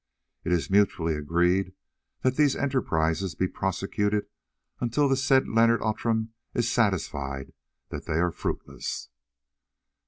It is mutually agreed that these enterprises be prosecuted until the said Leonard Outram is satisfied that they are fruitless.